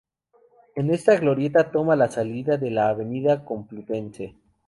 En esta glorieta toma la salida de la Avenida Complutense.